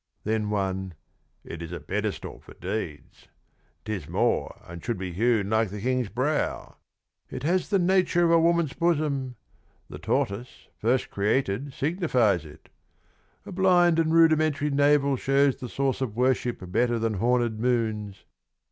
" Then one " It is a pedestal for deeds "—" 'Tis more and should be hewn like the King's brow "—" It has the nature of a woman's bosom "" The tortoise, first created, signifies it "" A blind and rudimentary navel shows The source of worship better than horned moons."